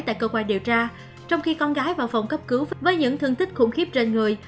tại cơ quan điều tra trong khi con gái vào phòng cấp cứu với những thương tích khủng khiếp trên người